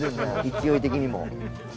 勢い的にも。